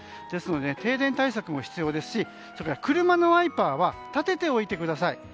ですので停電対策も必要ですし車のワイパーは立てておいてください。